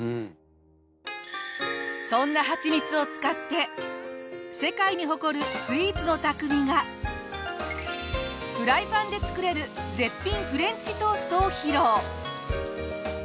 そんなはちみつを使って世界に誇るスイーツの匠がフライパンで作れる絶品フレンチトーストを披露！